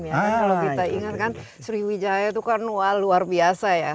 kalau kita ingatkan sriwijaya itu kan luar biasa ya